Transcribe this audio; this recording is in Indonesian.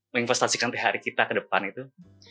menginvestasikan thr kita ke depan itu